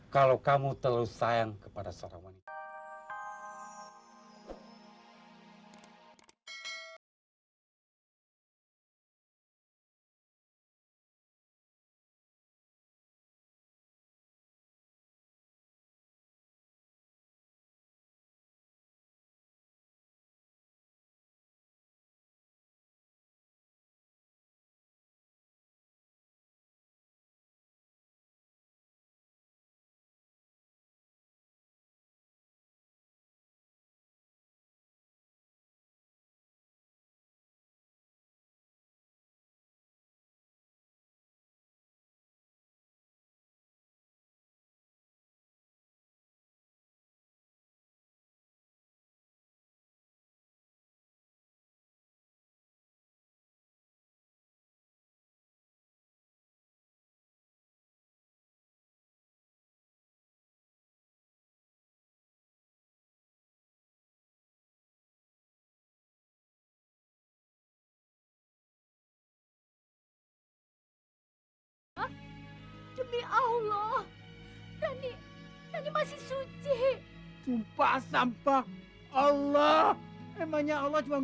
kalau kamu terlalu sayang kepada seorang wanita